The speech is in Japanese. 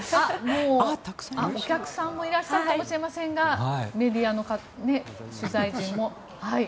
お客さんもいらっしゃるかもしれませんがメディアの取材陣も。